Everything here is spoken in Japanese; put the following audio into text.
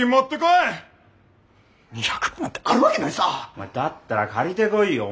お前だったら借りてこいよ。